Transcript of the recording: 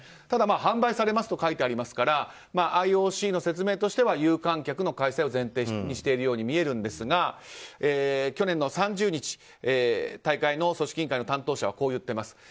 ただ、販売されますと書いてありますからＩＯＣの説明としては有観客の開催を前提にしているように見えるんですが去年の３０日大会の組織委員会の担当者はこう言っています。